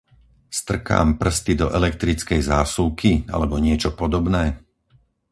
Strkám prsty do elektrickej zásuvky alebo niečo podobné?